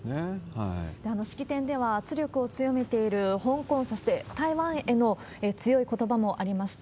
式典では圧力を強めている香港、そして台湾への強いことばもありました。